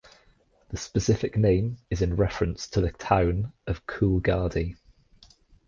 The specific name is in reference to the town of Coolgardie.